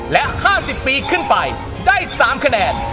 และ๕๐ปีขึ้นไปได้๓คะแนน